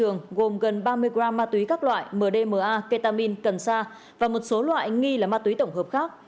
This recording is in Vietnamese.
trên trường gồm gần ba mươi gram ma túy các loại mdma ketamin cần sa và một số loại nghi là ma túy tổng hợp khác